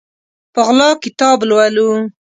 په غلا کتاب لولو